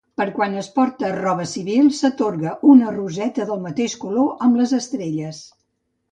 Per quan es porta roba civil, s'atorga una roseta del mateix color amb les estrelles.